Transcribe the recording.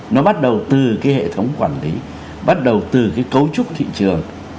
nó bắt đầu từ cái hệ thống quản lý bắt đầu từ cái cấu trúc thị trường